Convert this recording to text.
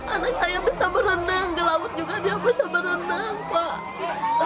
anak saya bisa berenang ke laut juga dia bisa berenang pak